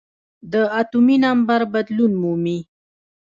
د اتومي نمبر بدلون مومي .